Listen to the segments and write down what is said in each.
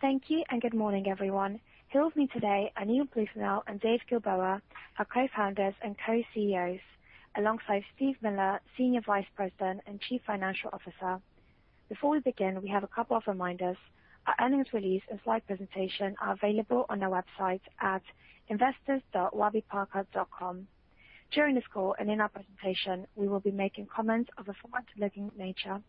Thank you, and good morning, everyone. Here with me today are Neil Blumenthal and Dave Gilboa, our co-founders and co-CEOs, alongside Steve Miller, Senior Vice President and Chief Financial Officer. Before we begin, we have a couple of reminders. Our earnings release and slide presentation are available on our website at investors.warbyparker.com. During this call and in our presentation, we will be making comments of a forward-looking nature.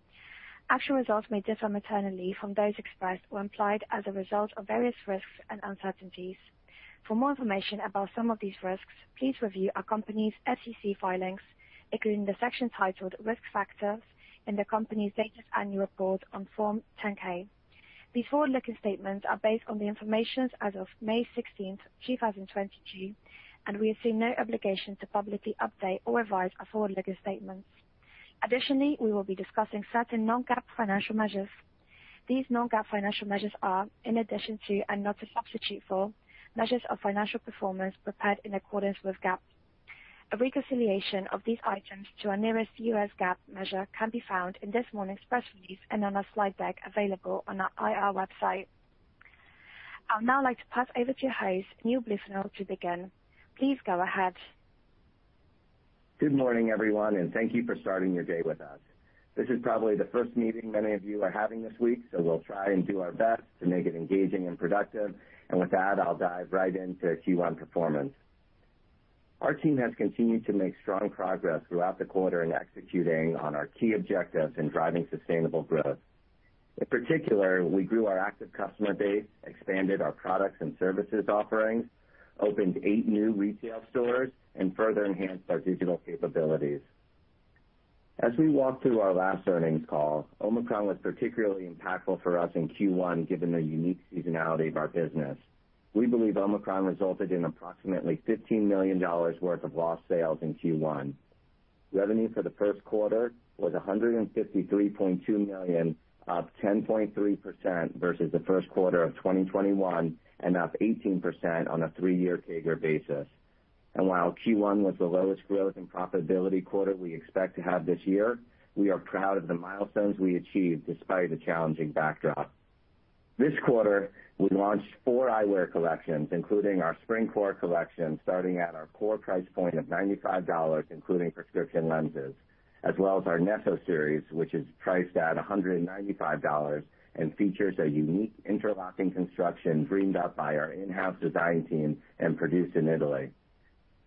Actual results may differ materially from those expressed or implied as a result of various risks and uncertainties. For more information about some of these risks, please review our company's SEC filings, including the section titled Risk Factors in the company's latest annual report on Form 10-K. These forward-looking statements are based on the information as of May 16th, 2022, and we assume no obligation to publicly update or revise our forward-looking statements. Additionally, we will be discussing certain non-GAAP financial measures. These non-GAAP financial measures are in addition to, and not a substitute for measures of financial performance prepared in accordance with GAAP. A reconciliation of these items to our nearest US GAAP measure can be found in this morning's press release and on our slide deck available on our IR website. I'd now like to pass over to your host, Neil Blumenthal, to begin. Please go ahead. Good morning, everyone, and thank you for starting your day with us. This is probably the first meeting many of you are having this week, so we'll try and do our best to make it engaging and productive. With that, I'll dive right into Q1 performance. Our team has continued to make strong progress throughout the quarter in executing on our key objectives and driving sustainable growth. In particular, we grew our active customer base, expanded our products and services offerings, opened eight new retail stores, and further enhanced our digital capabilities. As we walked through our last earnings call, Omicron was particularly impactful for us in Q1 given the unique seasonality of our business. We believe Omicron resulted in approximately $15 million worth of lost sales in Q1. Revenue for Q1 was $153.2 million, up 10.3% versus Q1 of 2021, and up 18% on a three-year CAGR basis. While Q1 was the lowest growth and profitability quarter we expect to have this year, we are proud of the milestones we achieved despite the challenging backdrop. This quarter, we launched four eyewear collections, including our spring core collection, starting at our core price point of $95, including prescription lenses, as well as our Neso series, which is priced at $195 and features a unique interlocking construction dreamed up by our in-house design team and produced in Italy.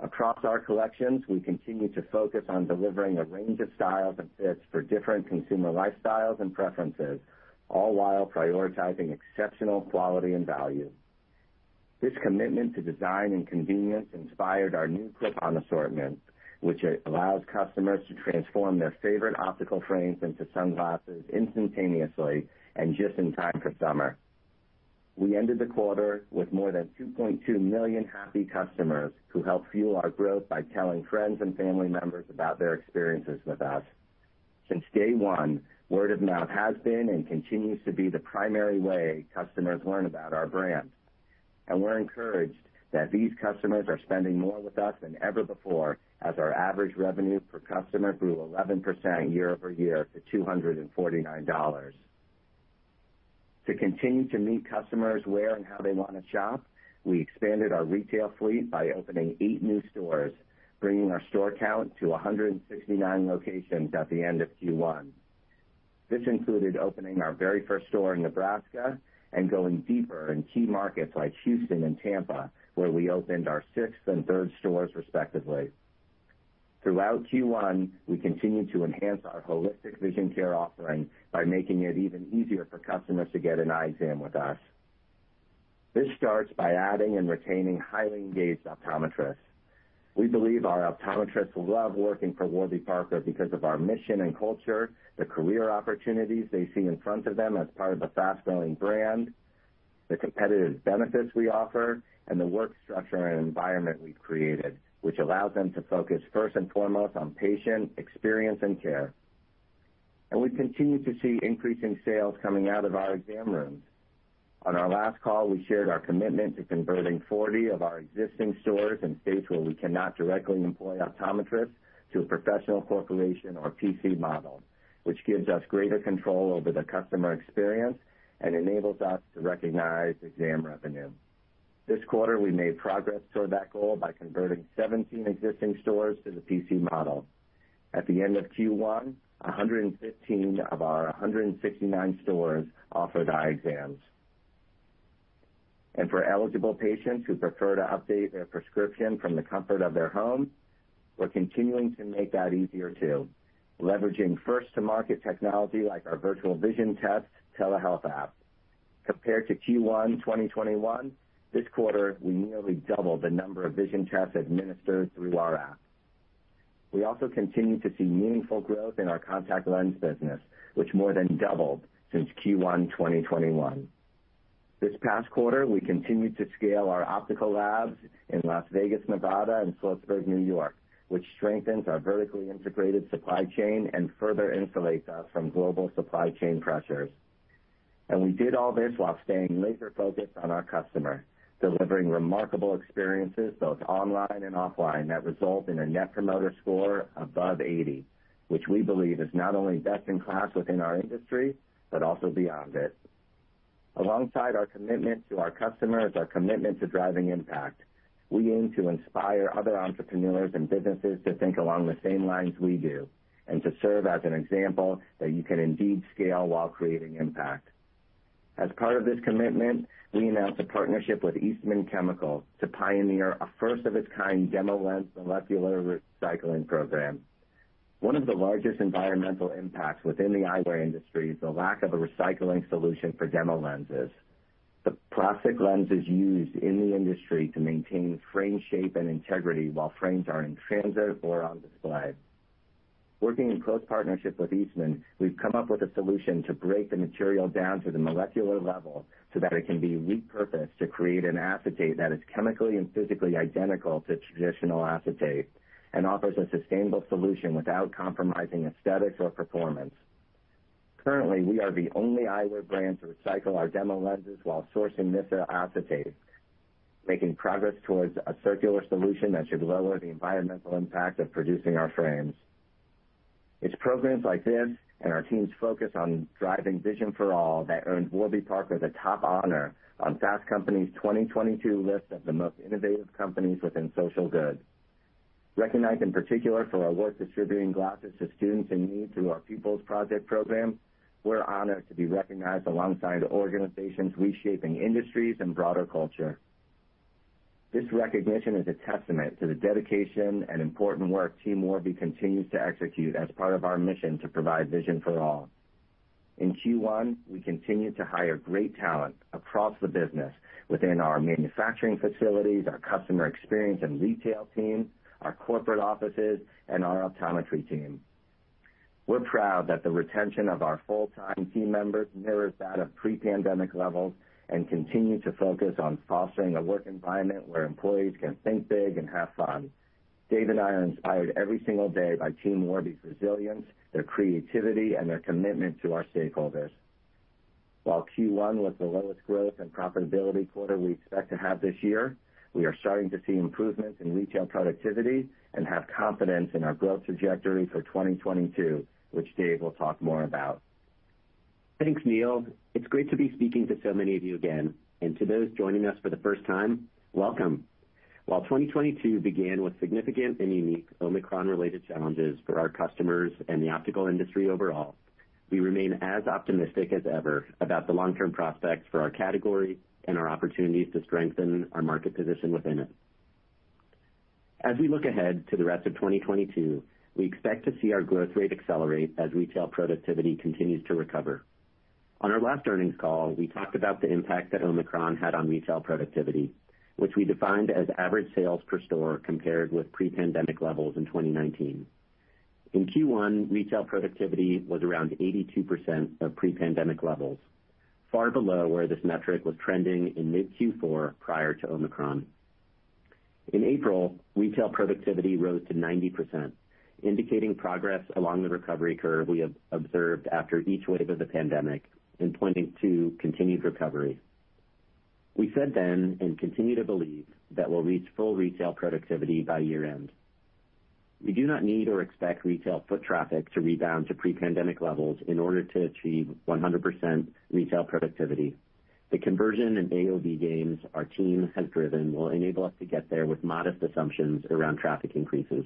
Across our collections, we continue to focus on delivering a range of styles and fits for different consumer lifestyles and preferences, all while prioritizing exceptional quality and value. This commitment to design and convenience inspired our new clip-on assortment, which allows customers to transform their favorite optical frames into sunglasses instantaneously and just in time for summer. We ended the quarter with more than 2.2 million happy customers who helped fuel our growth by telling friends and family members about their experiences with us. Since day one, word of mouth has been and continues to be the primary way customers learn about our brand. We're encouraged that these customers are spending more with us than ever before as our average revenue per customer grew 11% year-over-year to $249. To continue to meet customers where and how they want to shop, we expanded our retail fleet by opening eight new stores, bringing our store count to 169 locations at the end of Q1. This included opening our very first store in Nebraska and going deeper in key markets like Houston and Tampa, where we opened our sixth and third stores respectively. Throughout Q1, we continued to enhance our holistic vision care offering by making it even easier for customers to get an eye exam with us. This starts by adding and retaining highly engaged optometrists. We believe our optometrists love working for Warby Parker because of our mission and culture, the career opportunities they see in front of them as part of a fast-growing brand, the competitive benefits we offer, and the work structure and environment we've created, which allows them to focus first and foremost on patient experience and care. We continue to see increasing sales coming out of our exam rooms. On our last call, we shared our commitment to converting 40 of our existing stores in states where we cannot directly employ optometrists to a professional corporation or PC model, which gives us greater control over the customer experience and enables us to recognize exam revenue. This quarter, we made progress toward that goal by converting 17 existing stores to the PC model. At the end of Q1, 115 of our 169 stores offered eye exams. For eligible patients who prefer to update their prescription from the comfort of their home, we're continuing to make that easier, too, leveraging first to market technology like our Virtual Vision Test telehealth app. Compared to Q1 2021, this quarter, we nearly doubled the number of vision tests administered through our app. We also continue to see meaningful growth in our contact lens business, which more than doubled since Q1 2021. This past quarter, we continued to scale our optical labs in Las Vegas, Nevada and Sloatsburg, New York, which strengthens our vertically integrated supply chain and further insulates us from global supply chain pressures. We did all this while staying laser focused on our customer, delivering remarkable experiences both online and offline that result in a net promoter score above 80, which we believe is not only best-in-class within our industry, but also beyond it. Alongside our commitment to our customers, our commitment to driving impact, we aim to inspire other entrepreneurs and businesses to think along the same lines we do, and to serve as an example that you can indeed scale while creating impact. As part of this commitment, we announced a partnership with Eastman Chemical to pioneer a first of its kind demo lens molecular recycling program. One of the largest environmental impacts within the eyewear industry is the lack of a recycling solution for demo lenses. The plastic lens is used in the industry to maintain frame, shape, and integrity while frames are in transit or on display. Working in close partnership with Eastman, we've come up with a solution to break the material down to the molecular level so that it can be repurposed to create an acetate that is chemically and physically identical to traditional acetate and offers a sustainable solution without compromising aesthetics or performance. Currently, we are the only eyewear brand to recycle our demo lenses while sourcing this acetate, making progress towards a circular solution that should lower the environmental impact of producing our frames. It's programs like this and our team's focus on driving vision for all that earned Warby Parker the top honor on Fast Company's 2022 list of the most innovative companies within social good. Recognized in particular for our work distributing glasses to students in need through our Pupils Project program, we're honored to be recognized alongside organizations reshaping industries and broader culture. This recognition is a testament to the dedication and important work Team Warby continues to execute as part of our mission to provide vision for all. In Q1, we continued to hire great talent across the business within our manufacturing facilities, our customer experience and retail team, our corporate offices, and our optometry team. We're proud that the retention of our full-time team members mirrors that of pre-pandemic levels, and continue to focus on fostering a work environment where employees can think big and have fun. Dave and I are inspired every single day by Team Warby's resilience, their creativity, and their commitment to our stakeholders. While Q1 was the lowest growth and profitability quarter we expect to have this year, we are starting to see improvements in retail productivity and have confidence in our growth trajectory for 2022, which Dave will talk more about. Thanks, Neil. It's great to be speaking to so many of you again, and to those joining us for the first time, welcome. While 2022 began with significant and unique Omicron related challenges for our customers and the optical industry overall, we remain as optimistic as ever about the long-term prospects for our category and our opportunities to strengthen our market position within it. As we look ahead to the rest of 2022, we expect to see our growth rate accelerate as retail productivity continues to recover. On our last earnings call, we talked about the impact that Omicron had on retail productivity, which we defined as average sales per store compared with pre-pandemic levels in 2019. In Q1, retail productivity was around 82% of pre-pandemic levels, far below where this metric was trending in mid Q4 prior to Omicron. In April, retail productivity rose to 90%, indicating progress along the recovery curve we have observed after each wave of the pandemic and pointing to continued recovery. We said then, and continue to believe, that we'll reach full retail productivity by year-end. We do not need or expect retail foot traffic to rebound to pre-pandemic levels in order to achieve 100% retail productivity. The conversion and AOV gains our team has driven will enable us to get there with modest assumptions around traffic increases.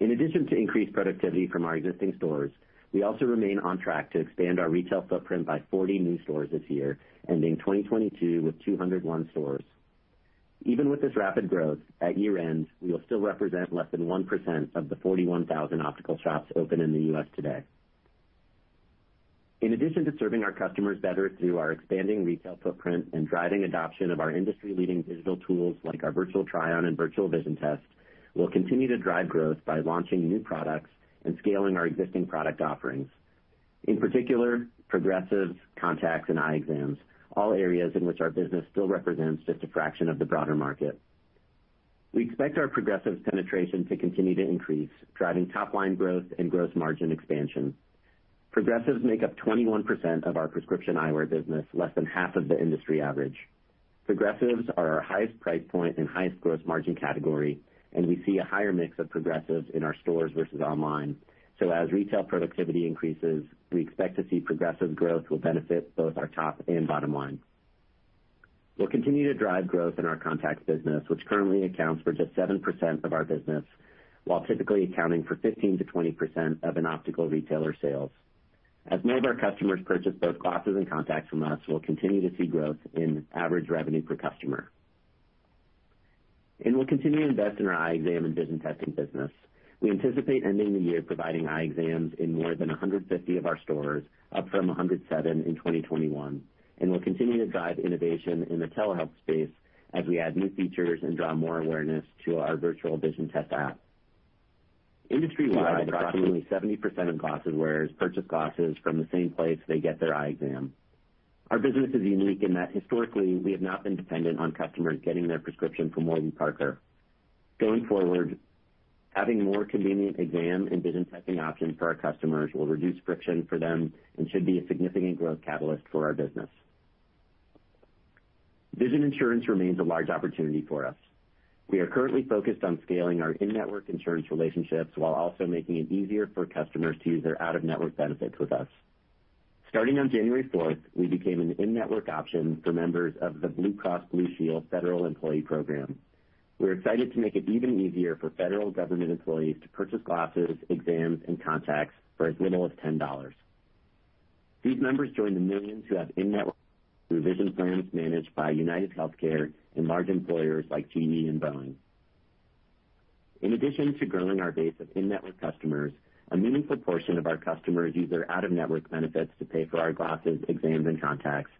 In addition to increased productivity from our existing stores, we also remain on track to expand our retail footprint by 40 new stores this year, ending 2022 with 201 stores. Even with this rapid growth, at year-end, we will still represent less than 1% of the 41,000 optical shops open in the U.S. today. In addition to serving our customers better through our expanding retail footprint and driving adoption of our industry-leading digital tools like our Virtual Try-On and Virtual Vision Test, we'll continue to drive growth by launching new products and scaling our existing product offerings. In particular, progressives, contacts, and eye exams, all areas in which our business still represents just a fraction of the broader market. We expect our progressive penetration to continue to increase, driving top line growth and gross margin expansion. Progressives make up 21% of our prescription eyewear business, less than half of the industry average. Progressives are our highest price point and highest gross margin category, and we see a higher mix of progressives in our stores versus online. As retail productivity increases, we expect to see progressive growth will benefit both our top and bottom line. We'll continue to drive growth in our contacts business, which currently accounts for just 7% of our business while typically accounting for 15%-20% of an optical retailer's sales. As more of our customers purchase both glasses and contacts from us, we'll continue to see growth in average revenue per customer. We'll continue to invest in our eye exam and vision testing business. We anticipate ending the year providing eye exams in more than 150 of our stores, up from 107 in 2021, and we'll continue to drive innovation in the telehealth space as we add new features and draw more awareness to our Virtual Vision Test app. Industry wide, approximately 70% of glasses wearers purchase glasses from the same place they get their eye exam. Our business is unique in that historically, we have not been dependent on customers getting their prescription from Warby Parker. Going forward, having more convenient exam and vision testing options for our customers will reduce friction for them and should be a significant growth catalyst for our business. Vision insurance remains a large opportunity for us. We are currently focused on scaling our in-network insurance relationships while also making it easier for customers to use their out-of-network benefits with us. Starting on January 4th, we became an in-network option for members of the Blue Cross Blue Shield Federal Employee Program. We're excited to make it even easier for federal government employees to purchase glasses, exams, and contacts for as little as $10. These members join the millions who have in-network through vision plans managed by UnitedHealthcare and large employers like GE and Boeing. In addition to growing our base of in-network customers, a meaningful portion of our customers use their out-of-network benefits to pay for our glasses, exams, and contacts,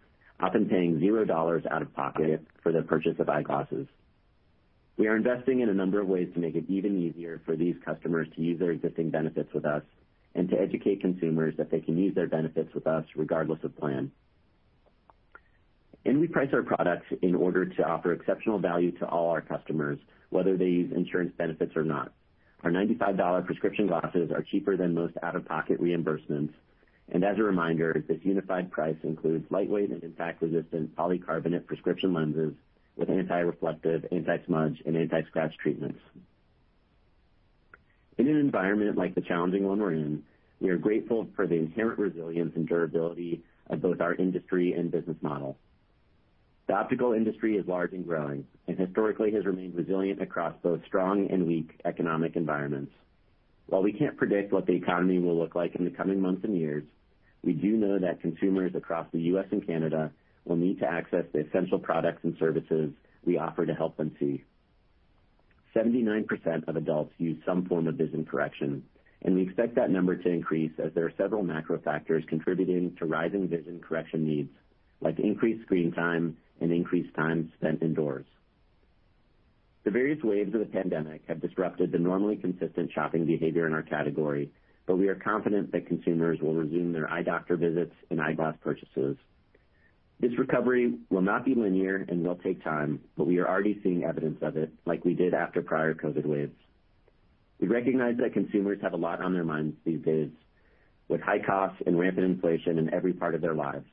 often paying $0 out-of-pocket for their purchase of eyeglasses. We are investing in a number of ways to make it even easier for these customers to use their existing benefits with us and to educate consumers that they can use their benefits with us regardless of plan. We price our products in order to offer exceptional value to all our customers, whether they use insurance benefits or not. Our $95 prescription glasses are cheaper than most out-of-pocket reimbursements. As a reminder, this unified price includes lightweight and impact-resistant polycarbonate prescription lenses with anti-reflective, anti-smudge, and anti-scratch treatments. In an environment like the challenging one we're in, we are grateful for the inherent resilience and durability of both our industry and business model. The optical industry is large and growing and historically has remained resilient across both strong and weak economic environments. While we can't predict what the economy will look like in the coming months and years, we do know that consumers across the U.S. and Canada will need to access the essential products and services we offer to help them see. 79% of adults use some form of vision correction, and we expect that number to increase as there are several macro factors contributing to rising vision correction needs, like increased screen time and increased time spent indoors. The various waves of the pandemic have disrupted the normally consistent shopping behavior in our category, but we are confident that consumers will resume their eye doctor visits and eyeglass purchases. This recovery will not be linear and will take time, but we are already seeing evidence of it like we did after prior COVID waves. We recognize that consumers have a lot on their minds these days, with high costs and rampant inflation in every part of their lives.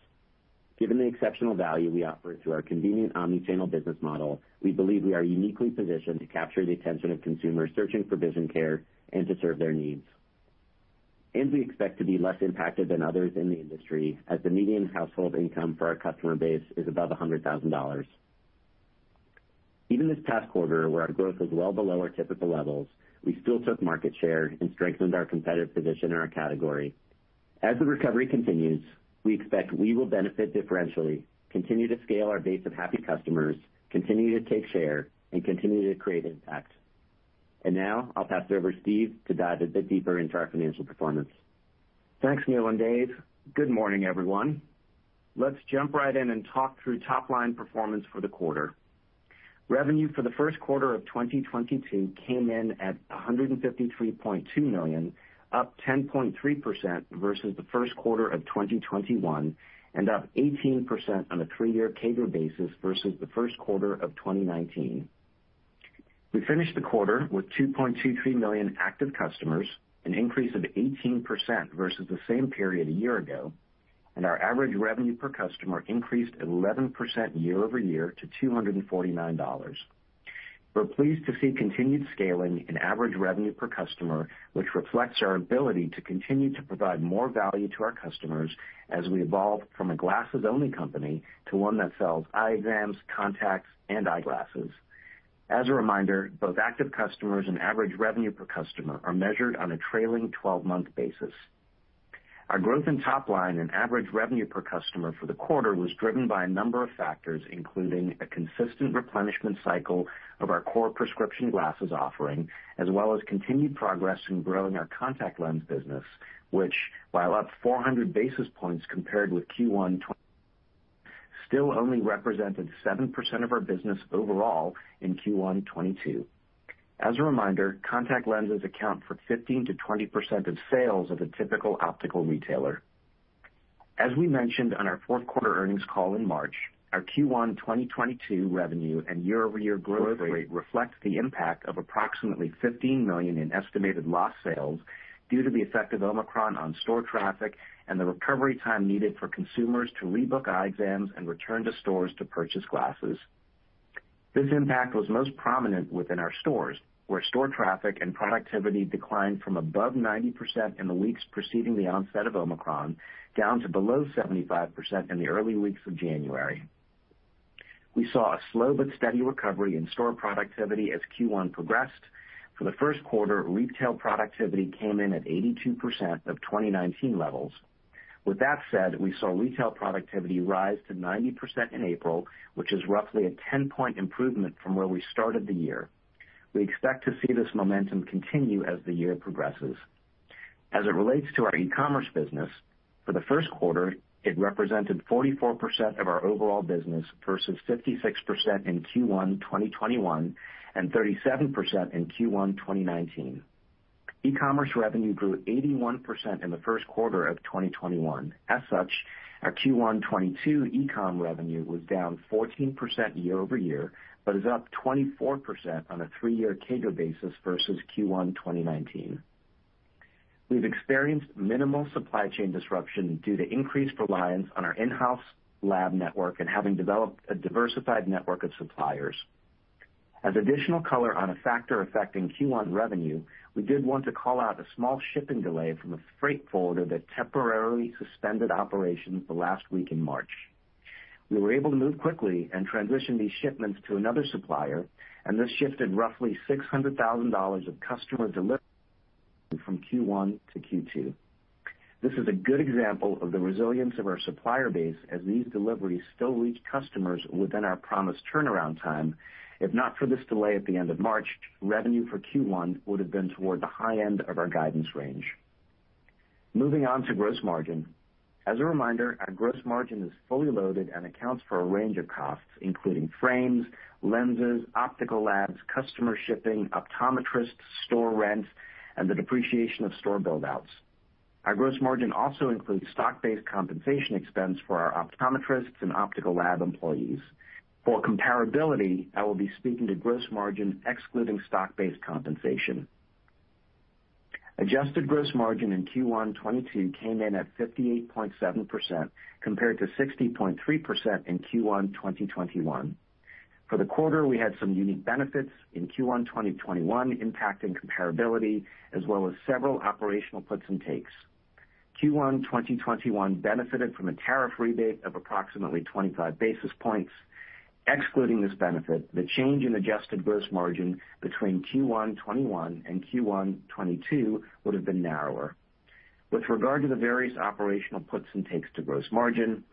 Given the exceptional value we offer through our convenient omnichannel business model, we believe we are uniquely positioned to capture the attention of consumers searching for vision care and to serve their needs. We expect to be less impacted than others in the industry, as the median household income for our customer base is above $100,000. Even this past quarter, where our growth was well below our typical levels, we still took market share and strengthened our competitive position in our category. As the recovery continues, we expect we will benefit differentially, continue to scale our base of happy customers, continue to take share, and continue to create impact. Now I'll pass it over to Steve to dive a bit deeper into our financial performance. Thanks, Neil and Dave. Good morning, everyone. Let's jump right in and talk through top-line performance for the quarter. Revenue for Q1 of 2022 came in at $153.2 million, up 10.3% versus Q1 of 2021, and up 18% on a three-year CAGR basis versus Q1 of 2019. We finished the quarter with 2.23 million active customers, an increase of 18% versus the same period a year ago, and our average revenue per customer increased 11% year-over-year to $249. We're pleased to see continued scaling in average revenue per customer, which reflects our ability to continue to provide more value to our customers as we evolve from a glasses-only company to one that sells eye exams, contacts, and eyeglasses. As a reminder, both active customers and average revenue per customer are measured on a trailing twelve-month basis. Our growth in top line and average revenue per customer for the quarter was driven by a number of factors, including a consistent replenishment cycle of our core prescription glasses offering, as well as continued progress in growing our contact lens business, which, while up 400 basis points compared with Q1 2020, still only represented 7% of our business overall in Q1 2022. As a reminder, contact lenses account for 15%-20% of sales of a typical optical retailer. As we mentioned on our Q4 earnings call in March, our Q1 2022 revenue and year-over-year growth rate reflects the impact of approximately $15 million in estimated lost sales due to the effect of Omicron on store traffic and the recovery time needed for consumers to rebook eye exams and return to stores to purchase glasses. This impact was most prominent within our stores, where store traffic and productivity declined from above 90% in the weeks preceding the onset of Omicron down to below 75% in the early weeks of January. We saw a slow but steady recovery in store productivity as Q1 progressed. For Q1, retail productivity came in at 82% of 2019 levels. With that said, we saw retail productivity rise to 90% in April, which is roughly a 10-point improvement from where we started the year. We expect to see this momentum continue as the year progresses. As it relates to our e-commerce business, for Q1, it represented 44% of our overall business versus 56% in Q1 2021, and 37% in Q1 2019. E-commerce revenue grew 81% in Q1 of 2021. As such, our Q1 2022 e-comm revenue was down 14% year-over-year but is up 24% on a three-year CAGR basis versus Q1 2019. We've experienced minimal supply chain disruption due to increased reliance on our in-house lab network and having developed a diversified network of suppliers. As additional color on a factor affecting Q1 revenue, we did want to call out a small shipping delay from a freight forwarder that temporarily suspended operations the last week in March. We were able to move quickly and transition these shipments to another supplier, and this shifted roughly $600,000 of customer delivery from Q1 to Q2. This is a good example of the resilience of our supplier base as these deliveries still reach customers within our promised turnaround time. If not for this delay at the end of March, revenue for Q1 would have been toward the high end of our guidance range. Moving on to gross margin. As a reminder, our gross margin is fully loaded and accounts for a range of costs, including frames, lenses, optical labs, customer shipping, optometrists, store rent, and the depreciation of store build outs. Our gross margin also includes stock-based compensation expense for our optometrists and optical lab employees. For comparability, I will be speaking to gross margin excluding stock-based compensation. Adjusted gross margin in Q1 2022 came in at 58.7% compared to 60.3% in Q1 2021. For the quarter, we had some unique benefits in Q1 2021 impacting comparability as well as several operational puts and takes. Q1 2021 benefited from a tariff rebate of approximately 25 basis points. Excluding this benefit, the change in adjusted gross margin between Q1 2021 and Q1 2022 would have been narrower. With regard to the various operational puts and takes to gross margin,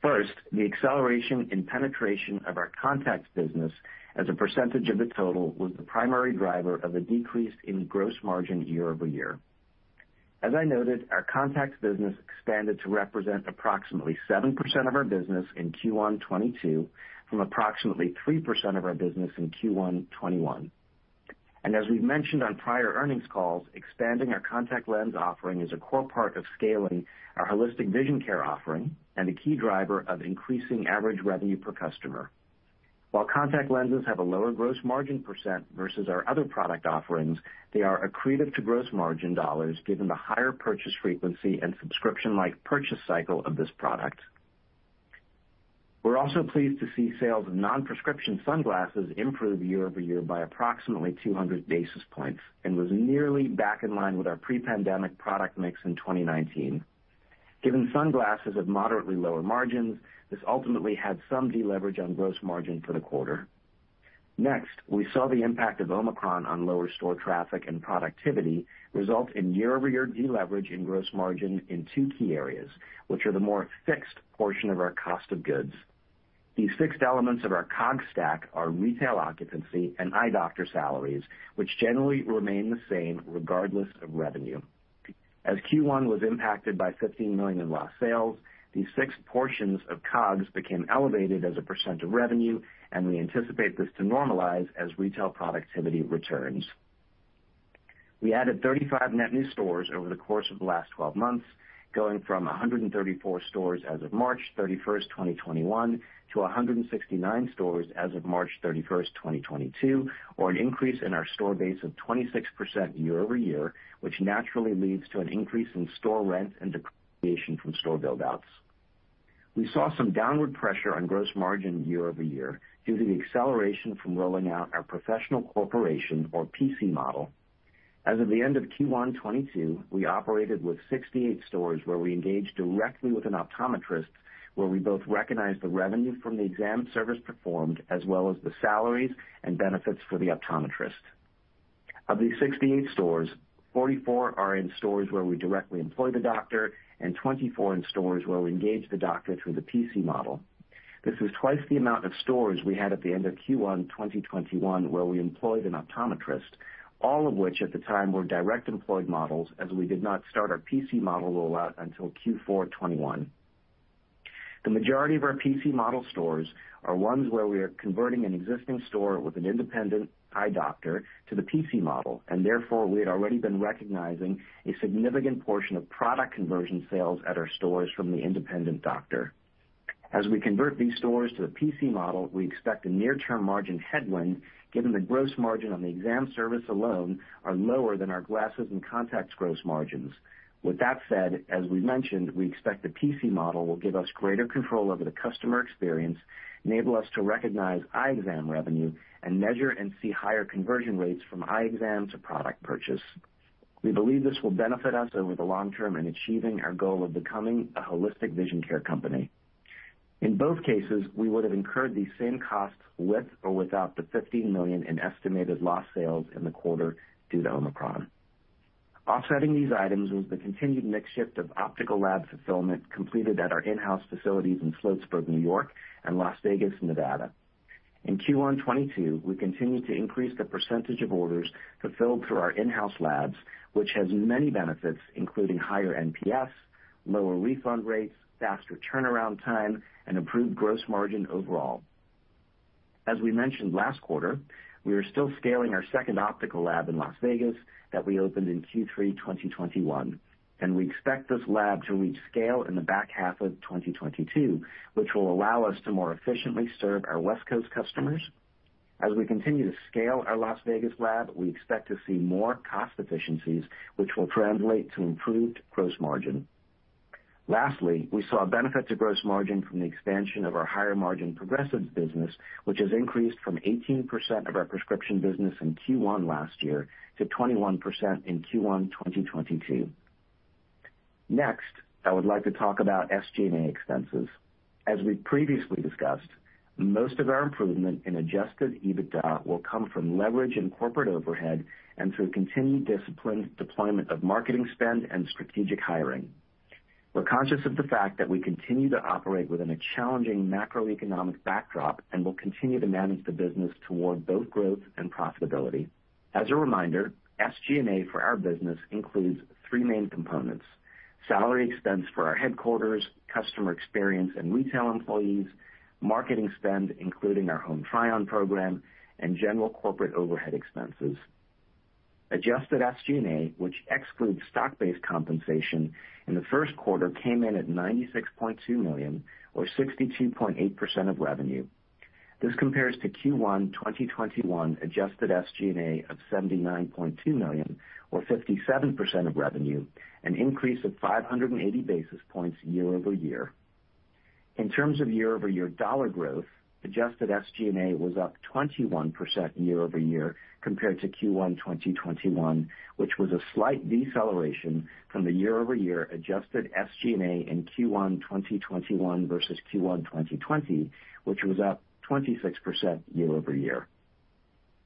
first, the acceleration in penetration of our contacts business as a percentage of the total was the primary driver of the decrease in gross margin year-over-year. As I noted, our contacts business expanded to represent approximately 7% of our business in Q1 2022 from approximately 3% of our business in Q1 2021. As we've mentioned on prior earnings calls, expanding our contact lens offering is a core part of scaling our holistic vision care offering and a key driver of increasing average revenue per customer. While contact lenses have a lower gross margin percent versus our other product offerings, they are accretive to gross margin dollars given the higher purchase frequency and subscription like purchase cycle of this product. We're also pleased to see sales of non-prescription sunglasses improve year-over-year by approximately 200 basis points, and was nearly back in line with our pre-pandemic product mix in 2019. Given sunglasses have moderately lower margins, this ultimately had some deleverage on gross margin for the quarter. Next, we saw the impact of Omicron on lower store traffic and productivity result in year-over-year deleverage in gross margin in two key areas, which are the more fixed portion of our cost of goods. These fixed elements of our COGS stack are retail occupancy and eye doctor salaries, which generally remain the same regardless of revenue. As Q1 was impacted by $15 million in lost sales, these fixed portions of COGS became elevated as a percent of revenue, and we anticipate this to normalize as retail productivity returns. We added 35 net new stores over the course of the last 12 months, going from 134 stores as of March 31st, 2021 to 169 stores as of March 31st, 2022, or an increase in our store base of 26% year-over-year, which naturally leads to an increase in store rent and depreciation from store build outs. We saw some downward pressure on gross margin year-over-year due to the acceleration from rolling out our professional corporation or PC model. As of the end of Q1 2022, we operated with 68 stores where we engage directly with an optometrist, where we both recognize the revenue from the exam service performed, as well as the salaries and benefits for the optometrist. Of these 68 stores, 44 are stores where we directly employ the doctor and 24 are stores where we engage the doctor through the PC model. This is twice the amount of stores we had at the end of Q1 2021, where we employed an optometrist, all of which at the time were directly employed models as we did not start our PC model rollout until Q4 2021. The majority of our PC model stores are ones where we are converting an existing store with an independent eye doctor to the PC model, and therefore, we had already been recognizing a significant portion of product conversion sales at our stores from the independent doctor. As we convert these stores to the PC model, we expect a near-term margin headwind given the gross margin on the exam service alone are lower than our glasses and contacts gross margins. With that said, as we mentioned, we expect the PC model will give us greater control over the customer experience, enable us to recognize eye exam revenue, and measure and see higher conversion rates from eye exam to product purchase. We believe this will benefit us over the long-term in achieving our goal of becoming a holistic vision care company. In both cases, we would have incurred these same costs with or without the $15 million in estimated lost sales in the quarter due to Omicron. Offsetting these items was the continued mix shift of optical lab fulfillment completed at our in-house facilities in Sloatsburg, New York and Las Vegas, Nevada. In Q1 2022, we continued to increase the percentage of orders fulfilled through our in-house labs, which has many benefits, including higher NPS, lower refund rates, faster turnaround time, and improved gross margin overall. As we mentioned last quarter, we are still scaling our second optical lab in Las Vegas that we opened in Q3 2021, and we expect this lab to reach scale in the back half of 2022, which will allow us to more efficiently serve our West Coast customers. As we continue to scale our Las Vegas lab, we expect to see more cost efficiencies, which will translate to improved gross margin. Lastly, we saw a benefit to gross margin from the expansion of our higher margin progressive business, which has increased from 18% of our prescription business in Q1 last year to 21% in Q1 2022. Next, I would like to talk about SG&A expenses. As we previously discussed, most of our improvement in adjusted EBITDA will come from leverage and corporate overhead and through continued disciplined deployment of marketing spend and strategic hiring. We're conscious of the fact that we continue to operate within a challenging macroeconomic backdrop, and we'll continue to manage the business toward both growth and profitability. As a reminder, SG&A for our business includes three main components, salary expense for our headquarters, customer experience and retail employees, marketing spend, including our Home Try-On program, and general corporate overhead expenses. Adjusted SG&A, which excludes stock-based compensation in Q1 came in at $96.2 million or 62.8% of revenue. This compares to Q1 2021 adjusted SG&A of $79.2 million or 57% of revenue, an increase of 580 basis points year-over-year. In terms of year-over-year dollar growth, adjusted SG&A was up 21% year-over-year compared to Q1 2021, which was a slight deceleration from the year-over-year adjusted SG&A in Q1 2021 versus Q1 2020, which was up 26% year-over-year.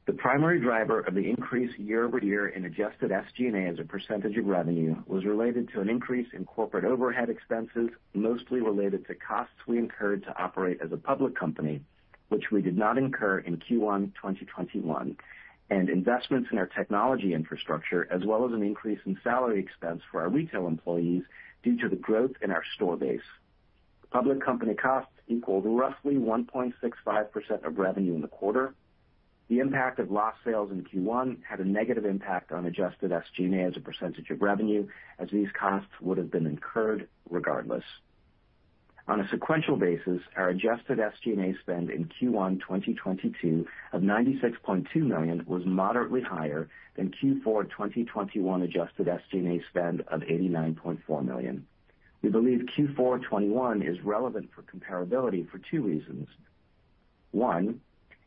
The primary driver of the increase year-over-year in adjusted SG&A as a percentage of revenue was related to an increase in corporate overhead expenses, mostly related to costs we incurred to operate as a public company, which we did not incur in Q1 2021, and investments in our technology infrastructure, as well as an increase in salary expense for our retail employees due to the growth in our store base. Public company costs equaled roughly 1.65% of revenue in the quarter. The impact of lost sales in Q1 had a negative impact on adjusted SG&A as a percentage of revenue, as these costs would have been incurred regardless. On a sequential basis, our adjusted SG&A spend in Q1 2022 of $96.2 million was moderately higher than Q4 2021 adjusted SG&A spend of $89.4 million. We believe Q4 2021 is relevant for comparability for two reasons. One,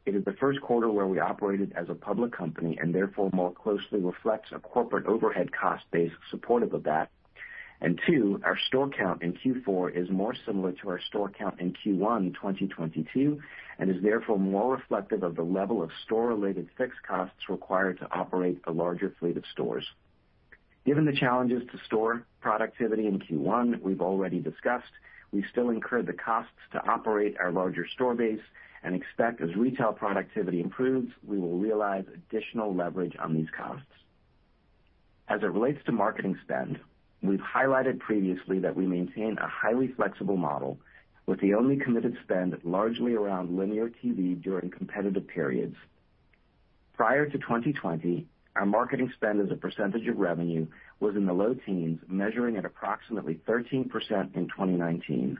it is Q1 where we operated as a public company and therefore more closely reflects a corporate overhead cost base supportive of that. Two, our store count in Q4 is more similar to our store count in Q1 2022 and is therefore more reflective of the level of store-related fixed costs required to operate a larger fleet of stores. Given the challenges to store productivity in Q1, we've already discussed, we still incur the costs to operate our larger store base and expect as retail productivity improves, we will realize additional leverage on these costs. As it relates to marketing spend, we've highlighted previously that we maintain a highly flexible model with the only committed spend largely around linear TV during competitive periods. Prior to 2020, our marketing spend as a percentage of revenue was in the low teens, measuring at approximately 13% in 2019.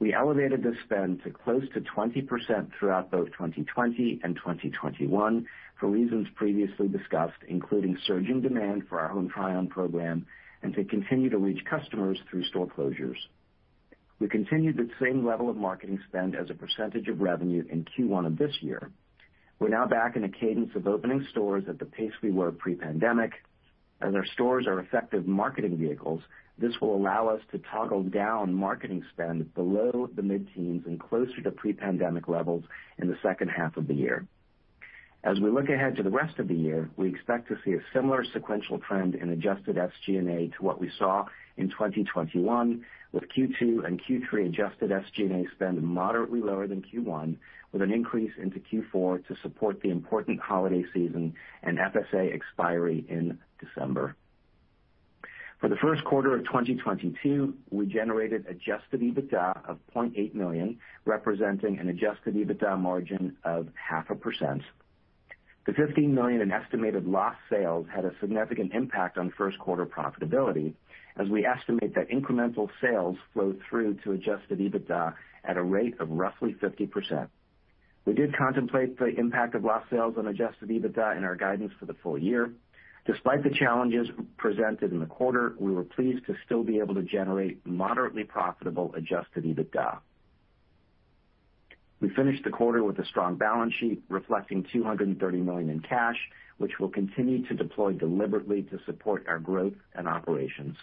We elevated this spend to close to 20% throughout both 2020 and 2021 for reasons previously discussed, including surging demand for our Home Try-On program and to continue to reach customers through store closures. We continued the same level of marketing spend as a percentage of revenue in Q1 of this year. We're now back in a cadence of opening stores at the pace we were pre-pandemic. As our stores are effective marketing vehicles, this will allow us to toggle down marketing spend below the mid-teens and closer to pre-pandemic levels in the second half of the year. As we look ahead to the rest of the year, we expect to see a similar sequential trend in adjusted SG&A to what we saw in 2021, with Q2 and Q3 adjusted SG&A spend moderately lower than Q1, with an increase into Q4 to support the important holiday season and FSA expiry in December. For Q1 of 2022, we generated adjusted EBITDA of $0.8 million, representing an adjusted EBITDA margin of 0.5%. The $15 million in estimated lost sales had a significant impact on Q1 profitability, as we estimate that incremental sales flow through to adjusted EBITDA at a rate of roughly 50%. We did contemplate the impact of lost sales on adjusted EBITDA in our guidance for the full year. Despite the challenges presented in the quarter, we were pleased to still be able to generate moderately profitable adjusted EBITDA. We finished the quarter with a strong balance sheet reflecting $230 million in cash, which we'll continue to deploy deliberately to support our growth and operations.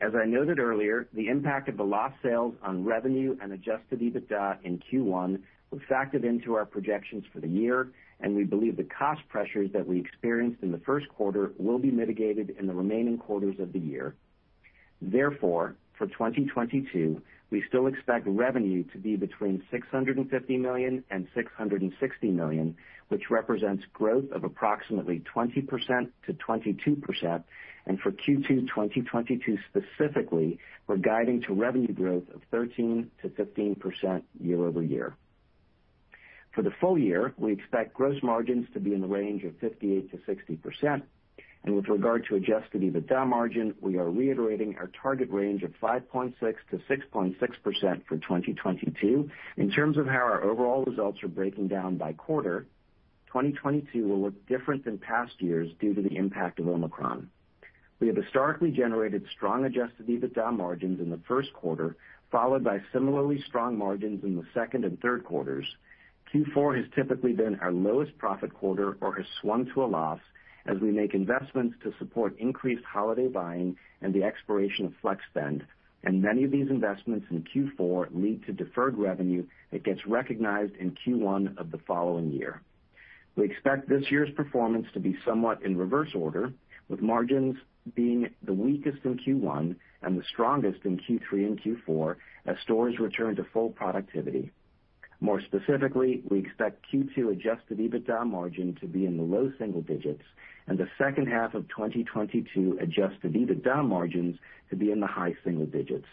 As I noted earlier, the impact of the lost sales on revenue and adjusted EBITDA in Q1 was factored into our projections for the year, and we believe the cost pressures that we experienced in Q1 will be mitigated in the remaining quarters of the year. Therefore, for 2022, we still expect revenue to be between $650 million and $660 million, which represents growth of approximately 20%-22%. For Q2 2022 specifically, we're guiding to revenue growth of 13%-15% year-over-year. For the full year, we expect gross margins to be in the range of 58%-60%. With regard to adjusted EBITDA margin, we are reiterating our target range of 5.6%-6.6% for 2022. In terms of how our overall results are breaking down by quarter, 2022 will look different than past years due to the impact of Omicron. We have historically generated strong adjusted EBITDA margins in Q1, followed by similarly strong margins in Q2 and Q3. Q4 has typically been our lowest profit quarter or has swung to a loss as we make investments to support increased holiday buying and the expiration of flex spend, and many of these investments in Q4 lead to deferred revenue that gets recognized in Q1 of the following year. We expect this year's performance to be somewhat in reverse order, with margins being the weakest in Q1 and the strongest in Q3 and Q4 as stores return to full productivity. More specifically, we expect Q2 adjusted EBITDA margin to be in the low single digits and the second half of 2022 adjusted EBITDA margins to be in the high single digits.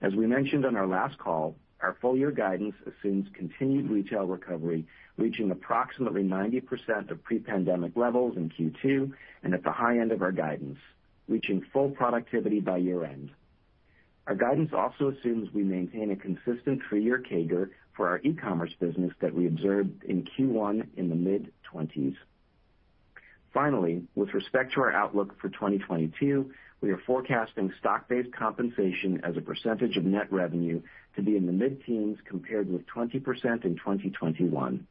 As we mentioned on our last call, our full year guidance assumes continued retail recovery, reaching approximately 90% of pre-pandemic levels in Q2 and at the high end of our guidance, reaching full productivity by year-end. Our guidance also assumes we maintain a consistent three-year CAGR for our e-commerce business that we observed in Q1 in the mid-20s. Finally, with respect to our outlook for 2022, we are forecasting stock-based compensation as a percentage of net revenue to be in the mid-teens, compared with 20% in 2021.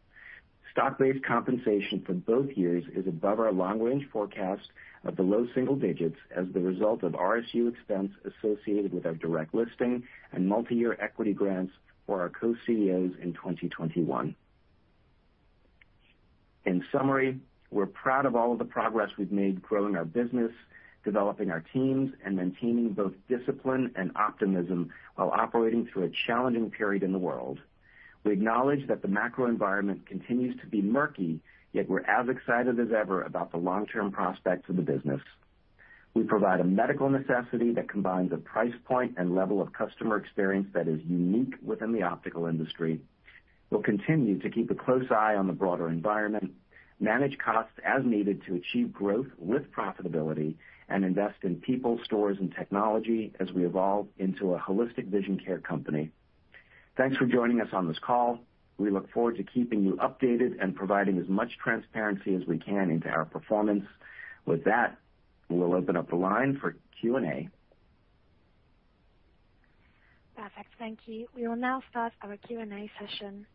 Stock-based compensation for both years is above our long-range forecast of the low single digits as the result of RSU expense associated with our direct listing and multiyear equity grants for our co-CEOs in 2021. In summary, we're proud of all of the progress we've made growing our business, developing our teams, and maintaining both discipline and optimism while operating through a challenging period in the world. We acknowledge that the macro environment continues to be murky, yet we're as excited as ever about the long-term prospects of the business. We provide a medical necessity that combines a price point and level of customer experience that is unique within the optical industry. We'll continue to keep a close eye on the broader environment, manage costs as needed to achieve growth with profitability, and invest in people, stores, and technology as we evolve into a holistic vision care company. Thanks for joining us on this call. We look forward to keeping you updated and providing as much transparency as we can into our performance. With that, we'll open up the line for Q&A. Perfect. Thank you. We will now start our Q&A session.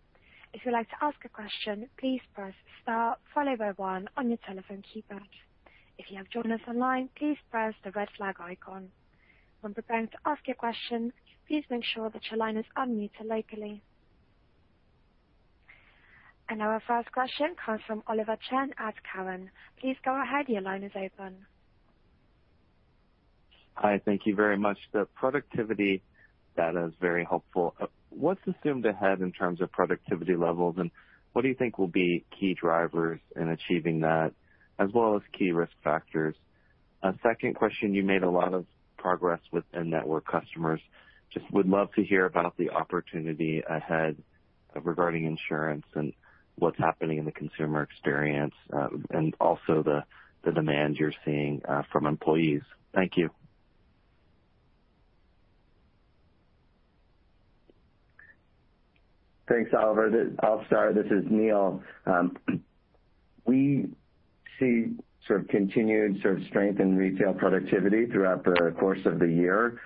If you'd like to ask a question, please press star followed by one on your telephone keypad. If you have joined us online, please press the red flag icon. When preparing to ask your question, please make sure that your line is unmuted locally. Our first question comes from Oliver Chen at Cowen. Please go ahead. Your line is open. Hi, thank you very much. The productivity data is very helpful. What's assumed ahead in terms of productivity levels, and what do you think will be key drivers in achieving that, as well as key risk factors? Second question, you made a lot of progress with in-network customers. Just would love to hear about the opportunity ahead regarding insurance and what's happening in the consumer experience, and also the demand you're seeing from employees. Thank you. Thanks, Oliver. I'll start. This is Neil. We see continued strength in retail productivity throughout the course of the year.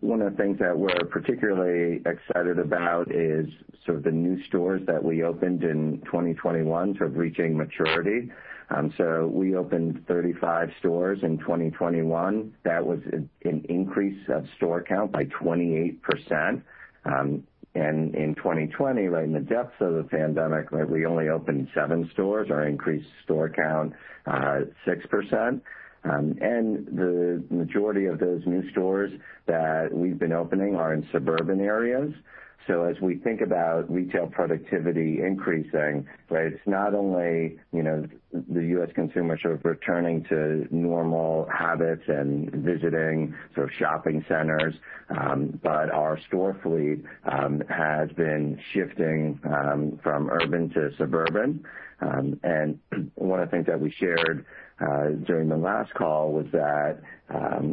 One of the things that we're particularly excited about is the new stores that we opened in 2021 reaching maturity. We opened 35 stores in 2021. That was an increase of store count by 28%. In 2020, right in the depths of the pandemic, we only opened seven stores or increased store count 6%. The majority of those new stores that we've been opening are in suburban areas. As we think about retail productivity increasing, right, it's not only the U.S. consumer returning to normal habits and visiting shopping centers, but our store fleet has been shifting from urban to suburban. One of the things that we shared during the last call was that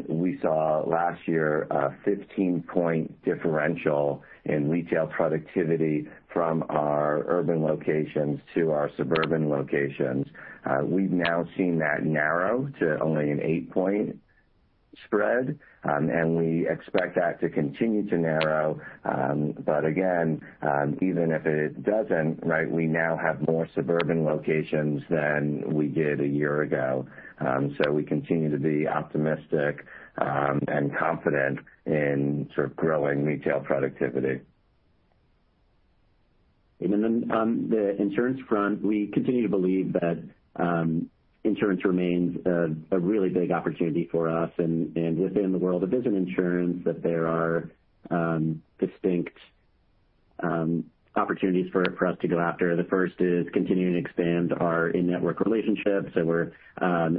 we saw last year a 15-point differential in retail productivity from our urban locations to our suburban locations. We've now seen that narrow to only an 8-point spread, and we expect that to continue to narrow. Again, even if it doesn't, right, we now have more suburban locations than we did a year ago. We continue to be optimistic and confident in growing retail productivity. On the insurance front, we continue to believe that insurance remains a really big opportunity for us and within the world of vision insurance that there are distinct opportunities for us to go after. The first is continuing to expand our in-network relationships, so we're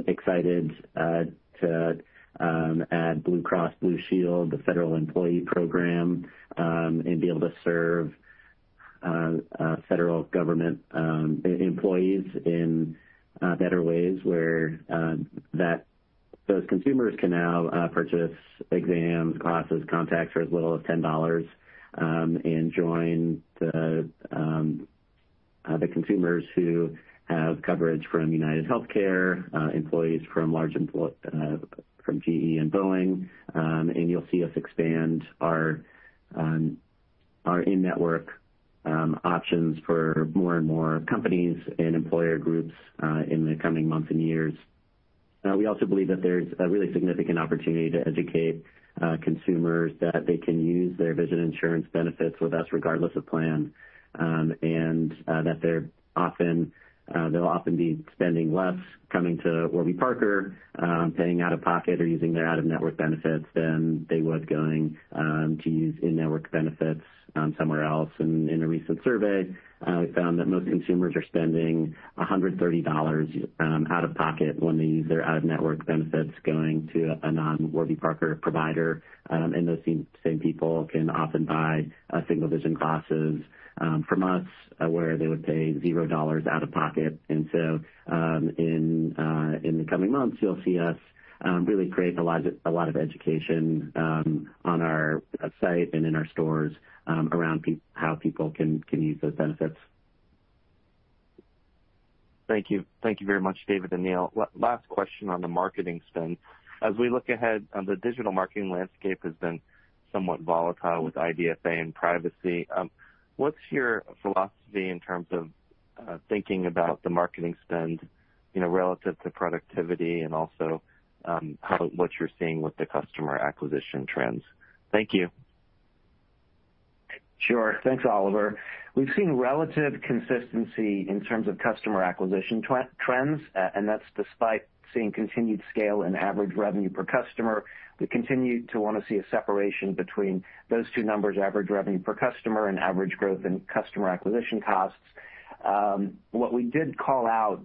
excited to add Blue Cross Blue Shield, the Federal Employee Program, and be able to serve federal government employees in better ways where those consumers can now purchase exams, glasses, contacts for as little as $10, and join the consumers who have coverage from UnitedHealthcare, employees from large employers from GE and Boeing. You'll see us expand our in-network options for more and more companies and employer groups in the coming months and years. We also believe that there's a really significant opportunity to educate consumers that they can use their vision insurance benefits with us regardless of plan, that they'll often be spending less coming to Warby Parker, paying out-of-pocket or using their out-of-network benefits than they would going to use in-network benefits somewhere else. In a recent survey, we found that most consumers are spending $130 out-of-pocket when they use their out-of-network benefits going to a non-Warby Parker provider. Those same people can often buy single vision glasses from us where they would pay $0 out-of-pocket. In the coming months, you'll see us really create a lot of education on our site and in our stores around how people can use those benefits. Thank you very much, Dave and Neil. Last question on the marketing spend. As we look ahead, the digital marketing landscape has been somewhat volatile with IDFA and privacy. What's your philosophy in terms of thinking about the marketing spend relative to productivity and also what you're seeing with the customer acquisition trends? Thank you. Sure. Thanks, Oliver. We've seen relative consistency in terms of customer acquisition trends, and that's despite seeing continued scale in average revenue per customer. We continue to wanna see a separation between those two numbers, average revenue per customer and average growth in customer acquisition costs. What we did call out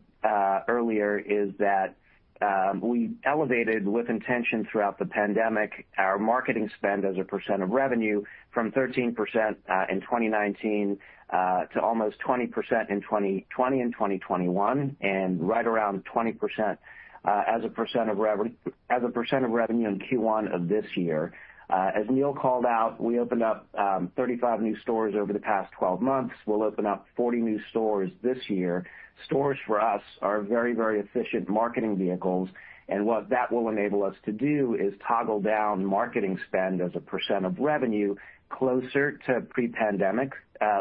earlier is that we elevated with intention throughout the pandemic, our marketing spend as a percent of revenue from 13% in 2019 to almost 20% in 2020 and 2021, and right around 20% as a percent of revenue in Q1 of this year. As Neil called out, we opened up 35 new stores over the past 12 months. We'll open up 40 new stores this year. Stores for us are very, very efficient marketing vehicles, and what that will enable us to do is toggle down marketing spend as a percent of revenue closer to pre-pandemic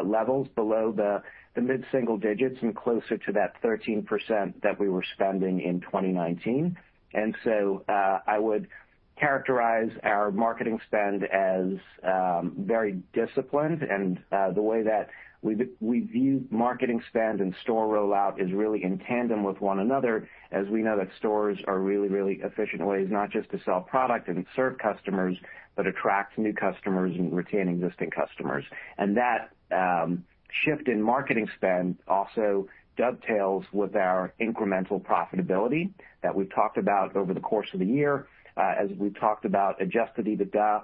levels below the mid-single digits and closer to that 13% that we were spending in 2019. I would characterize our marketing spend as very disciplined. The way that we view marketing spend and store rollout is really in tandem with one another, as we know that stores are really, really efficient ways not just to sell product and serve customers, but attract new customers and retain existing customers. That shift in marketing spend also dovetails with our incremental profitability that we've talked about over the course of the year. As we talked about, adjusted EBITDA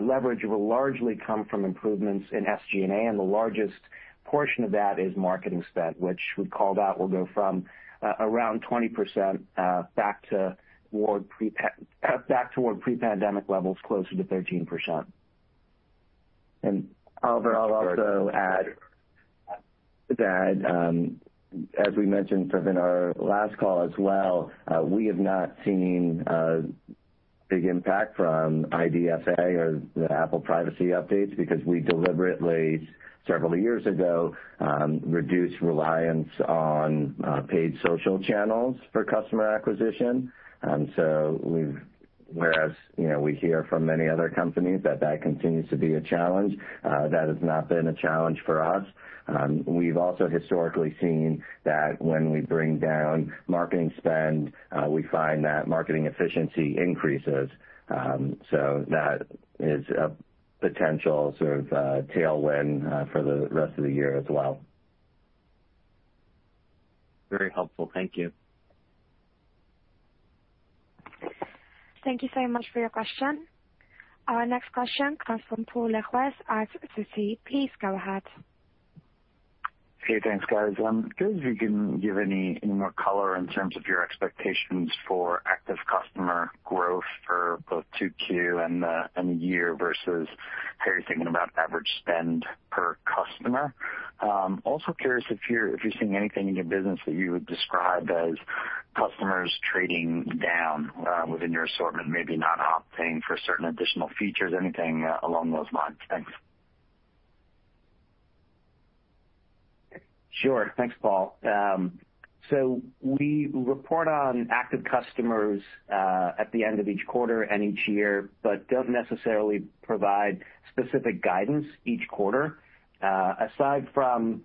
leverage will largely come from improvements in SG&A, and the largest portion of that is marketing spend, which we've called out will go from around 20% back toward pre-pandemic levels, closer to 13%. Oliver, I'll also add that, as we mentioned in our last call as well, we have not seen a big impact from IDFA or the Apple privacy updates because we deliberately, several years ago, reduced reliance on paid social channels for customer acquisition. Whereas, we hear from many other companies that that continues to be a challenge, that has not been a challenge for us. We've also historically seen that when we bring down marketing spend, we find that marketing efficiency increases. That is a potential tailwind for the rest of the year as well. Very helpful. Thank you. Thank you so much for your question. Our next question comes from Paul Lejuez at Citi. Please go ahead. Hey, thanks, guys. Curious if you can give any more color in terms of your expectations for active customer growth for both Q2 and the year versus how you're thinking about average spend per customer. Also curious if you're seeing anything in your business that you would describe as customers trading down within your assortment, maybe not opting for certain additional features, anything along those lines. Thanks. Sure. Thanks, Paul. We report on active customers at the end of each quarter and each year, but don't necessarily provide specific guidance each quarter. Aside from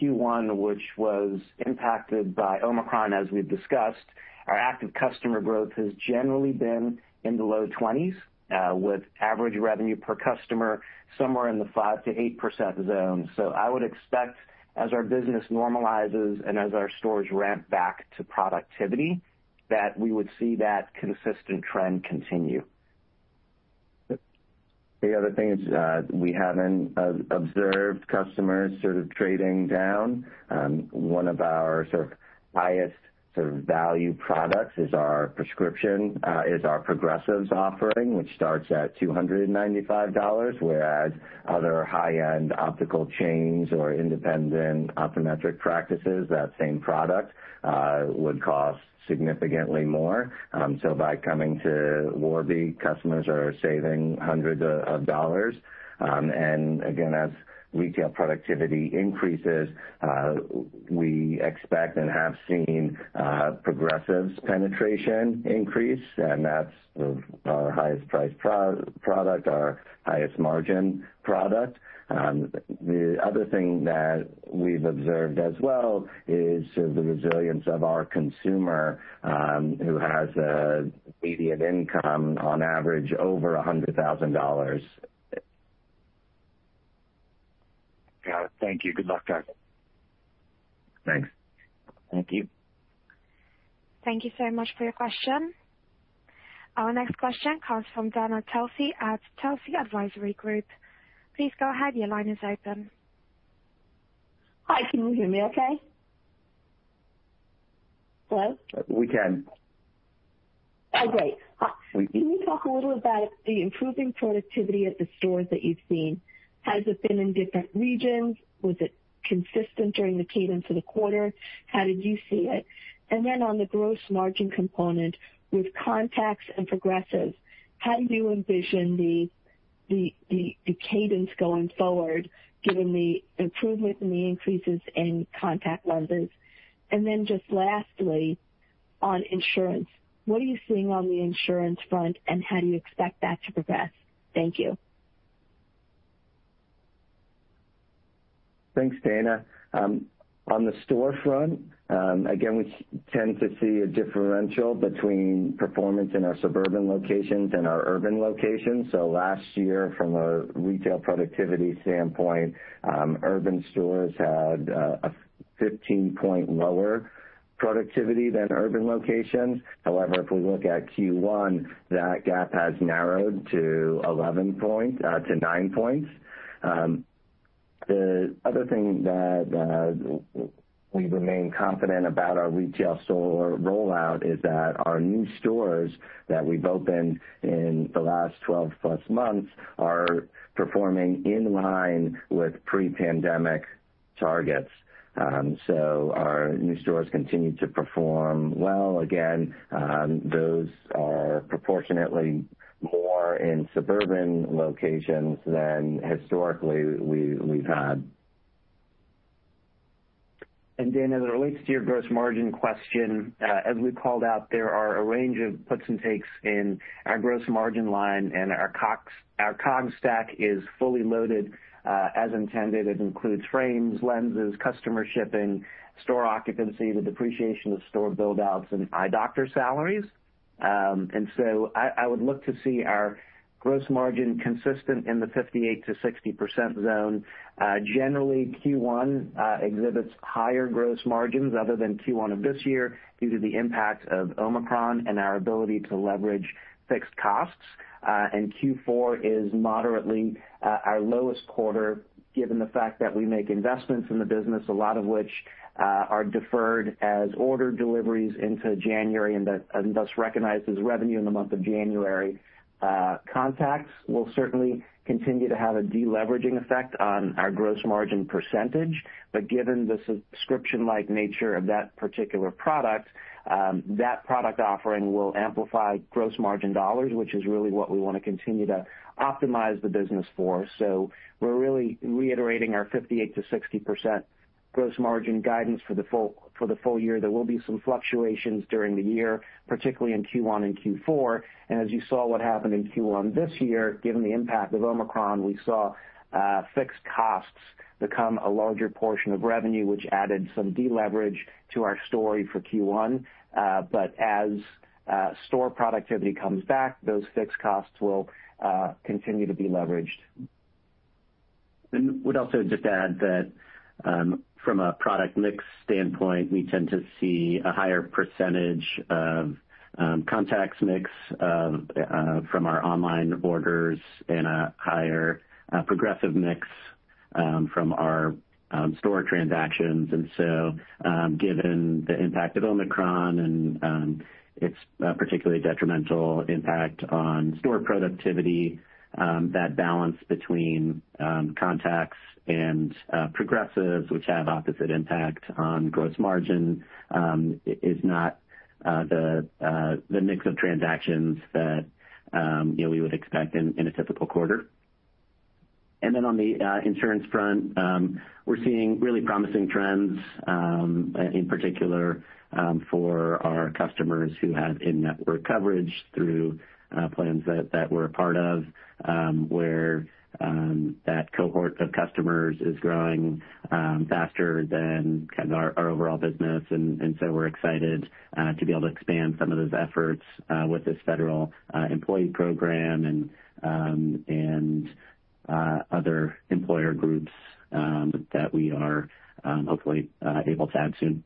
Q1, which was impacted by Omicron, as we've discussed, our active customer growth has generally been in the low twenties, with average revenue per customer somewhere in the 5%-8% zone. I would expect as our business normalizes and as our stores ramp back to productivity, that we would see that consistent trend continue. The other thing is, we haven't observed customers trading down. One of our highest value products is our progressives offering, which starts at $295, whereas other high-end optical chains or independent optometric practices, that same product would cost significantly more. By coming to Warby, customers are saving hundreds of dollars. Again, as retail productivity increases, we expect and have seen progressives penetration increase, and that's our highest priced product, our highest margin product. The other thing that we've observed as well is the resilience of our consumer, who has a median income on average over $100,000. Got it. Thank you. Good luck, guys. Thanks. Thank you. Thank you so much for your question. Our next question comes from Dana Telsey at Telsey Advisory Group. Please go ahead. Your line is open. Hi. Can you hear me okay? Hello? We can. Great. Hi. Can you talk a little about the improving productivity at the stores that you've seen? Has it been in different regions? Was it consistent during the cadence of the quarter? How did you see it? On the gross margin component, with contacts and progressives, how do you envision the cadence going forward, given the improvement in the increases in contact lenses? Just lastly, on insurance, what are you seeing on the insurance front, and how do you expect that to progress? Thank you. Thanks, Dana. On the storefront, again, we tend to see a differential between performance in our suburban locations and our urban locations. Last year, from a retail productivity standpoint, urban stores had a 15-point lower productivity than urban locations. However, if we look at Q1, that gap has narrowed to nine points. The other thing that we remain confident about our retail store rollout is that our new stores that we've opened in the last 12+ months are performing in line with pre-pandemic targets. Our new stores continue to perform well. Again, those are proportionately more in suburban locations than historically we've had. Dana, as it relates to your gross margin question, as we called out, there are a range of puts and takes in our gross margin line, and our COGS stack is fully loaded, as intended. It includes frames, lenses, customer shipping, store occupancy, the depreciation of store buildouts, and eye doctor salaries. I would look to see our gross margin consistent in the 58%-60% zone. Generally, Q1 exhibits higher gross margins other than Q1 of this year due to the impact of Omicron and our ability to leverage fixed costs. Q4 is moderately our lowest quarter, given the fact that we make investments in the business, a lot of which are deferred as order deliveries into January and thus recognized as revenue in the month of January. Contacts will certainly continue to have a deleveraging effect on our gross margin percentage. Given the subscription-like nature of that particular product, that product offering will amplify gross margin dollars, which is really what we wanna continue to optimize the business for. We're really reiterating our 58%-60% gross margin guidance for the full year. There will be some fluctuations during the year, particularly in Q1 and Q4. As you saw what happened in Q1 this year, given the impact of Omicron, we saw fixed costs become a larger portion of revenue, which added some deleverage to our story for Q1. As store productivity comes back, those fixed costs will continue to be leveraged. Would also just add that from a product mix standpoint, we tend to see a higher percentage of contacts mix from our online orders and a higher progressive mix from our store transactions. Given the impact of Omicron and its particularly detrimental impact on store productivity, that balance between contacts and progressives, which have opposite impact on gross margin, is not the mix of transactions that we would expect in a typical quarter. On the insurance front, we're seeing really promising trends in particular for our customers who have in-network coverage through plans that we're a part of, where that cohort of customers is growing faster than our overall business. We're excited to be able to expand some of those efforts with this Federal Employee Program and other employer groups that we are hopefully able to add soon.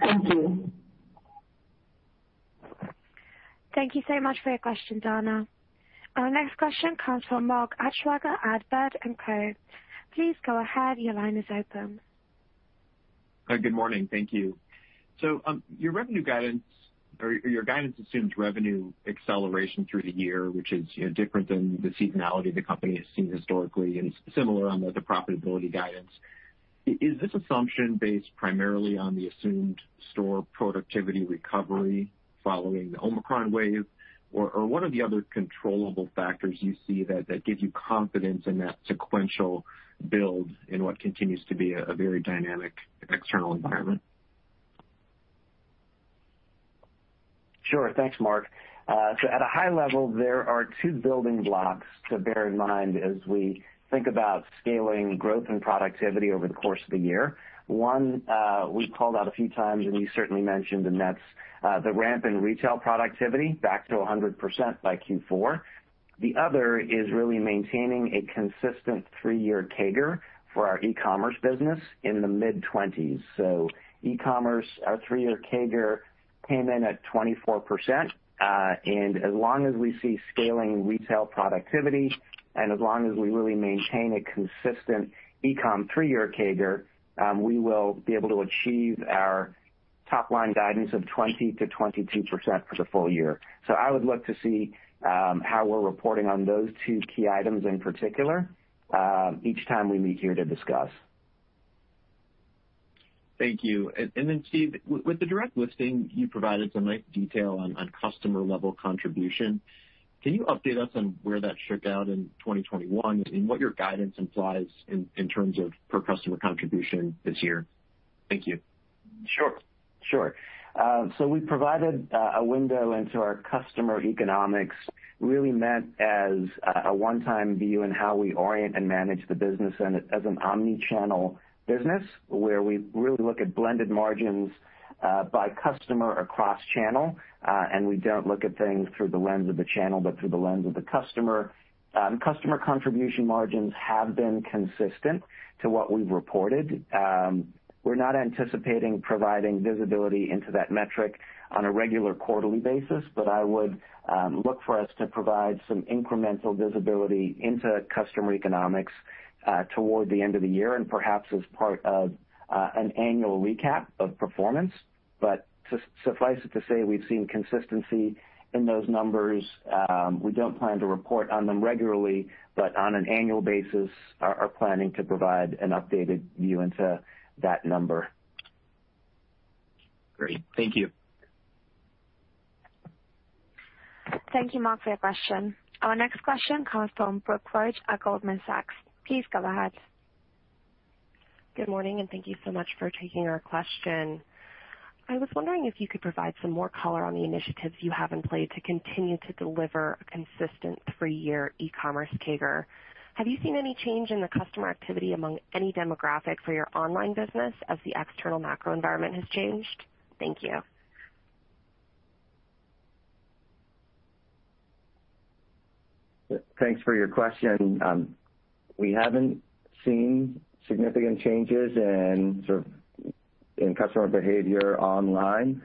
Thank you. Thank you so much for your question, Dana. Our next question comes from Mark Altschwager at Baird & Co. Please go ahead. Your line is open. Good morning. Thank you. Your revenue guidance or your guidance assumes revenue acceleration through the year, which is different than the seasonality the company has seen historically, and it's similar on the profitability guidance. Is this assumption based primarily on the assumed store productivity recovery following the Omicron wave or what are the other controllable factors you see that give you confidence in that sequential build in what continues to be a very dynamic external environment? Sure. Thanks, Mark. At a high level, there are two building blocks to bear in mind as we think about scaling growth and productivity over the course of the year. One, we called out a few times, and you certainly mentioned, and that's the ramp in retail productivity back to 100% by Q4. The other is really maintaining a consistent three-year CAGR for our e-commerce business in the mid-20s. E-commerce, our three-year CAGR came in at 24%. As long as we see scaling retail productivity, and as long as we really maintain a consistent e-com three-year CAGR, we will be able to achieve our top line guidance of 20%-22% for the full year. I would look to see how we're reporting on those two key items in particular each time we meet here to discuss. Thank you. Then Steve, with the direct listing, you provided some nice detail on customer level contribution. Can you update us on where that shook out in 2021 and what your guidance implies in terms of per customer contribution this year? Thank you. Sure. We provided a window into our customer economics, really meant as a one-time view in how we orient and manage the business and as an omni-channel business, where we really look at blended margins by customer across channel, and we don't look at things through the lens of the channel, but through the lens of the customer. Customer contribution margins have been consistent to what we've reported. We're not anticipating providing visibility into that metric on a regular quarterly basis, but I would look for us to provide some incremental visibility into customer economics toward the end of the year and perhaps as part of an annual recap of performance. Suffice it to say, we've seen consistency in those numbers. We don't plan to report on them regularly, but on an annual basis, we are planning to provide an updated view into that number. Great. Thank you. Thank you, Mark, for your question. Our next question comes from Brooke Roach at Goldman Sachs. Please go ahead. Good morning, and thank you so much for taking our question. I was wondering if you could provide some more color on the initiatives you have in play to continue to deliver a consistent three-year e-commerce CAGR. Have you seen any change in the customer activity among any demographic for your online business as the external macro environment has changed? Thank you. Thanks for your question. We haven't seen significant changes in customer behavior online.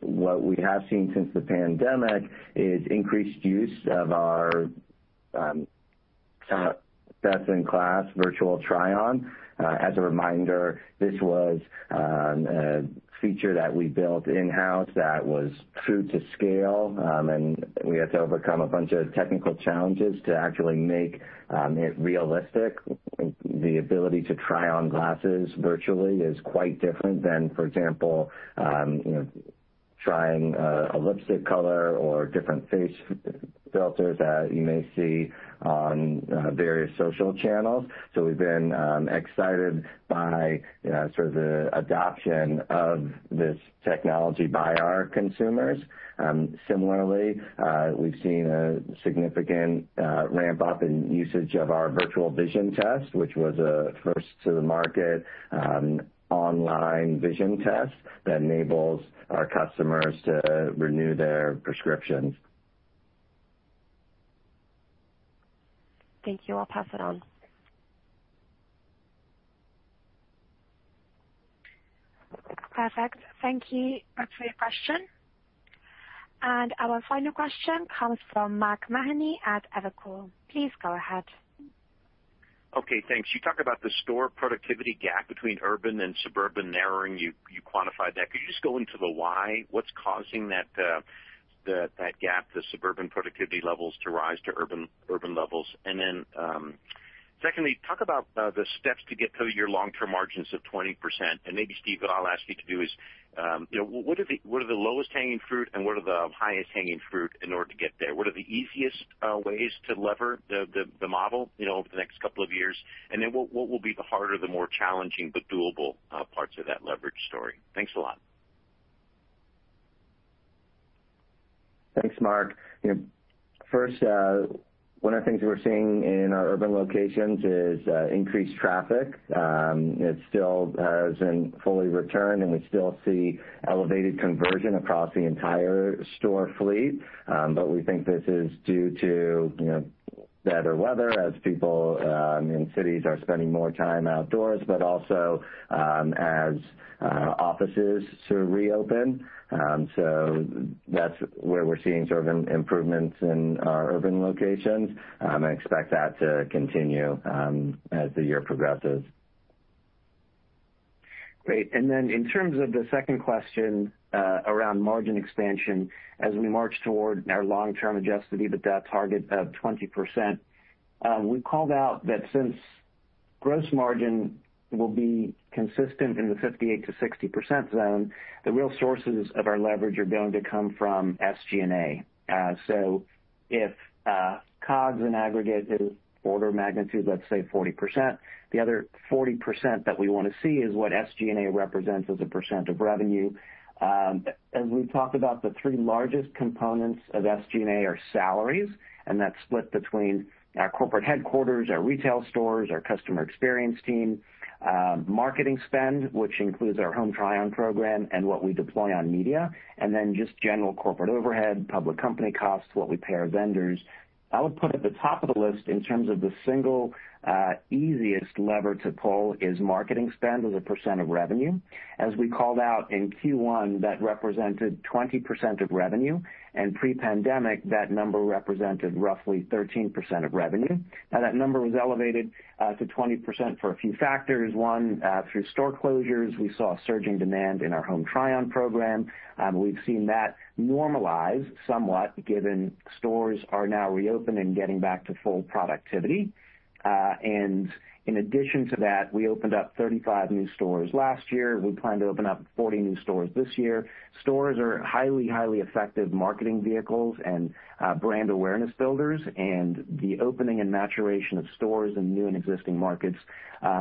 What we have seen since the pandemic is increased use of our best in class Virtual Try-On. As a reminder, this was a feature that we built in-house that was true to scale. We had to overcome a bunch of technical challenges to actually make it realistic. The ability to try on glasses virtually is quite different than, for example, trying a lipstick color or different face filters that you may see on various social channels. We've been excited by the adoption of this technology by our consumers. Similarly, we've seen a significant ramp up in usage of our Virtual Vision Test, which was a first to the market, online vision test that enables our customers to renew their prescriptions. Thank you. I'll pass it on. Perfect. Thank you, Brooke, for your question. Our final question comes from Mark Mahaney at Evercore. Please go ahead. Okay, thanks. You talk about the store productivity gap between urban and suburban narrowing. You quantified that. Could you just go into the why? What's causing that gap, the suburban productivity levels to rise to urban levels? Then, secondly, talk about the steps to get to your long-term margins of 20%. Maybe, Steve, what I'll ask you to do is, what are the lowest hanging fruit and what are the highest hanging fruit in order to get there? What are the easiest ways to leverage the model over the next couple of years? Then what will be the harder, the more challenging but doable parts of that leverage story? Thanks a lot. Thanks, Mark. First, one of the things we're seeing in our urban locations is increased traffic. It still hasn't fully returned, and we still see elevated conversion across the entire store fleet, but we think this is due to better weather as people in cities are spending more time outdoors, but also, as offices reopen. That's where we're seeing improvements in our urban locations. I expect that to continue as the year progresses. Great. Then in terms of the second question, around margin expansion as we march toward our long-term adjusted EBITDA target of 20%, we called out that since gross margin will be consistent in the 58%-60% zone, the real sources of our leverage are going to come from SG&A. If COGS in aggregate is order of magnitude, let's say 40%, the other 40% that we wanna see is what SG&A represents as a % of revenue. As we've talked about, the three largest components of SG&A are salaries, and that's split between our corporate headquarters, our retail stores, our customer experience team, marketing spend, which includes our Home Try-On program and what we deploy on media, and then just general corporate overhead, public company costs, what we pay our vendors. I would put at the top of the list in terms of the single easiest lever to pull is marketing spend as a % of revenue. As we called out in Q1, that represented 20% of revenue, and pre-pandemic, that number represented roughly 13% of revenue. Now that number was elevated to 20% for a few factors. One, through store closures. We saw surging demand in our Home Try-On program. We've seen that normalize somewhat given stores are now reopen and getting back to full productivity. In addition to that, we opened up 35 new stores last year. We plan to open up 40 new stores this year. Stores are highly effective marketing vehicles and brand awareness builders, and the opening and maturation of stores in new and existing markets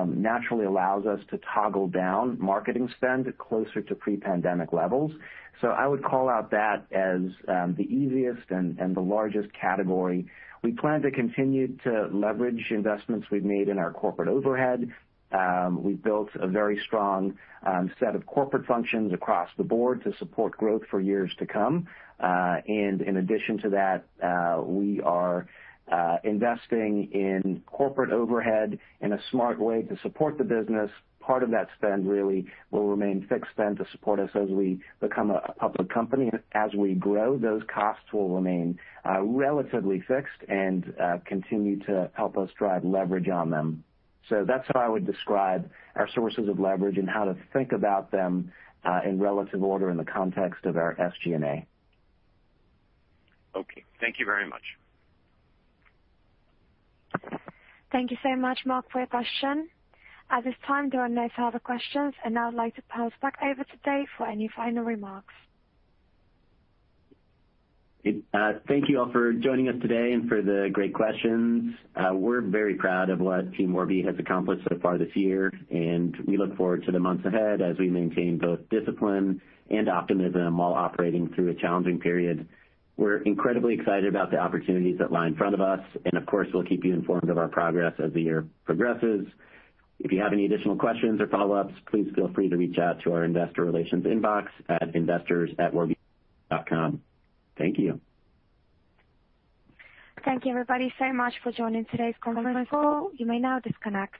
naturally allows us to toggle down marketing spend closer to pre-pandemic levels. I would call out that as the easiest and the largest category. We plan to continue to leverage investments we've made in our corporate overhead. We've built a very strong set of corporate functions across the board to support growth for years to come. In addition to that, we are investing in corporate overhead in a smart way to support the business. Part of that spend really will remain fixed spend to support us as we become a public company. As we grow, those costs will remain relatively fixed and continue to help us drive leverage on them. That's how I would describe our sources of leverage and how to think about them in relative order in the context of our SG&A. Okay. Thank you very much. Thank you so much, Mark, for your question. At this time, there are no further questions, and I would like to pass back over to Dave for any final remarks. Thank you all for joining us today and for the great questions. We're very proud of what Team Warby has accomplished so far this year, and we look forward to the months ahead as we maintain both discipline and optimism while operating through a challenging period. We're incredibly excited about the opportunities that lie in front of us, and of course, we'll keep you informed of our progress as the year progresses. If you have any additional questions or follow-ups, please feel free to reach out to our investor relations inbox at investors@warby.com. Thank you. Thank you everybody so much for joining today's conference call. You may now disconnect.